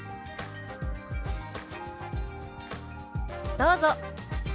どうぞ。